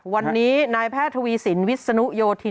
วันนี้นายแพทย์ทวีสินวิศนุโยธิน